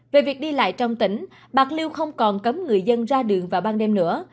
về việc đi lại trong tỉnh bạc liêu không còn cấm người dân ra đường vào ban đêm nữa